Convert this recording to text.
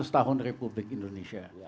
seratus tahun republik indonesia